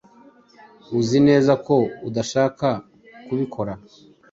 Uzi neza ko udashaka kubikora?